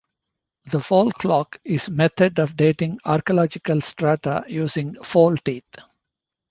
The vole clock is a method of dating archaeological strata using vole teeth.